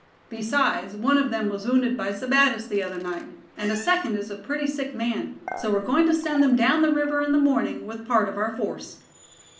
Besides, one of them was wounded by Sebattis the other night, and a second is a pretty sick man, so we're going to send them down the river in the morning with part of our force."